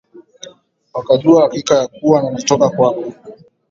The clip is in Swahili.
wakajua hakika ya kuwa nalitoka kwako